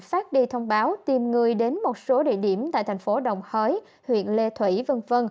phát đi thông báo tìm người đến một số địa điểm tại thành phố đồng hới huyện lê thủy v v